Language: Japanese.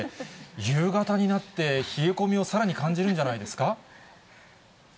夕方になって、冷え込みをさらに感じるんじゃないですか。